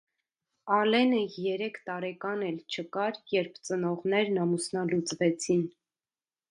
Ալենը երեք տարեկան էլ չկար, երբ ծնողներն ամուսնալուծվեցին։